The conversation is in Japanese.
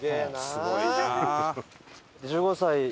すごいな！